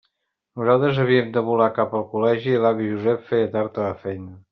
Nosaltres havíem de volar cap al col·legi i l'avi Josep feia tard a la feina.